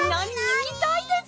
ききたいです！